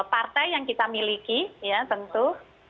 partai yang kita miliki ya tentu